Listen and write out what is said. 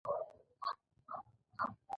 د پیرودونکي وخت د سرو زرو ارزښت لري.